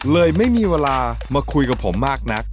ไม่มีเวลามาคุยกับผมมากนัก